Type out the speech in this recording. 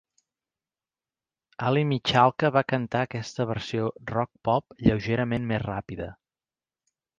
Aly Michalka va cantar aquesta versió rock-pop lleugerament més ràpida.